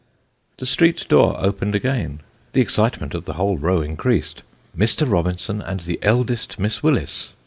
The street door opened again ; the excitement of the whole row increased Mr. Robinson and the eldest Miss Willis.